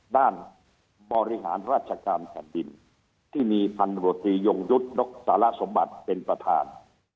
ด้านบริหารราชการแผ่นบินที่มีพันธุปฏิโยงยุทธนกศาลสมบัติเป็นประธาน